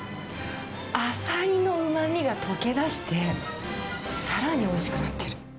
アサリのうまみが溶け出して、さらにおいしくなってる。